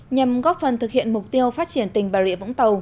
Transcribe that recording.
nhằm góp phần thực hiện mục tiêu phát triển tỉnh bà rịa vũng tàu